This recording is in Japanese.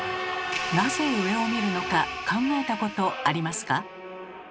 なぜ上を見るのか考えたことありますか？